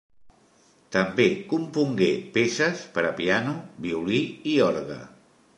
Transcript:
També compongué peces per a piano, violí i orgue.